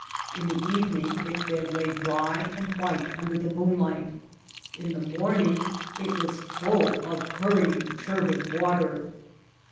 In the evening its bed lay dry and white under the moonlight, in the morning it was full of hurrying, turbid water.